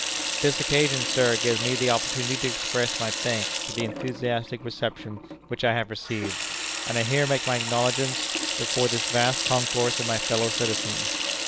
This occasion, sir, gives me the opportunity to express my thanks for the enthusiastic reception which I have received, and I here make my acknowledgments before this vast concourse of my fellow citizens.